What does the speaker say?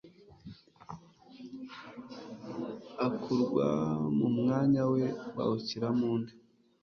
akurwa mu mwanya we bawushyiramo undi